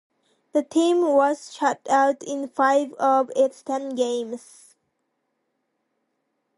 The team was shut out in five of its ten games.